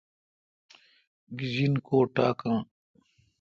گیجن کو ٹا کان۔